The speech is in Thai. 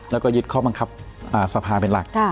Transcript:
แล้วก็ยึดข้อบังคับสภาเป็นหลัก